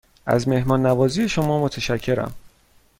از مهمان نوازی شما متشکرم.